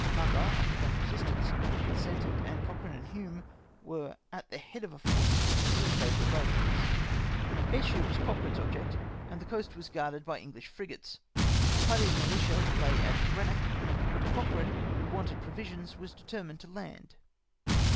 Argyle, after long resistance, consented, and Cochrane and Hume were at the head of a force to invade the Lowlands. ACCOUNT OF THE DUNDOXALD FAMILY. 31 " Ayrshire was Cochrane's object, and the coast was guarded by English frigates. A party of militia lay at Greenock, but Cochrane, who wanted provisions, was determined to land.